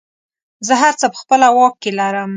زه هر څه په خپله واک کې لرم.